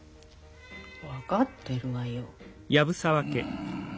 分かってるわよ。